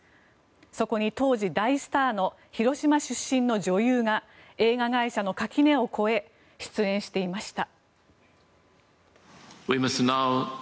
そこに当時、大スターの広島出身の女優が映画会社の垣根を越え出演していました。